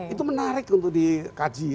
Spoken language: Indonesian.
itu menarik untuk dikaji